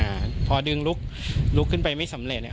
อ่าพอดึงลุกลุกขึ้นไปไม่สำเร็จอ่ะ